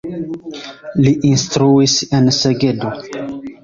Li instruis en Segedo.